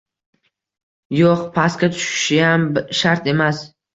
Yo‘q pastga tushishiyam shart emas